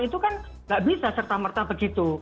itu kan nggak bisa serta merta begitu